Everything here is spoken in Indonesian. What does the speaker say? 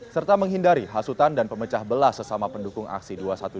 serta menghindari hasutan dan pemecah belas sesama pendukung aksi dua ratus dua belas